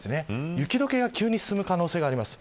雪解けが急に進む可能性があります。